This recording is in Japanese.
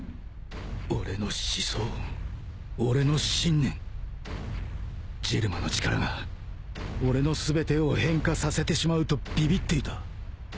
俺の思想俺の信念ジェルマの力が俺の全てを変化させてしまうとビビっていた